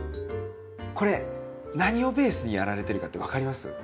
これ何をベースにやられてるかって分かります？